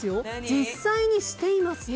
実際にしています。